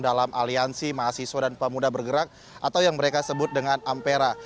dalam aliansi mahasiswa dan pemuda bergerak atau yang mereka sebut dengan ampera